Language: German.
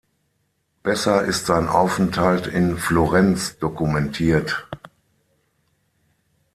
Besser ist sein Aufenthalt in Florenz dokumentiert.